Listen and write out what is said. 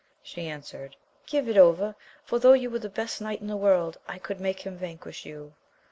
She answered. Give it over, for though you were the best knight in the world, I could make him vanquish you.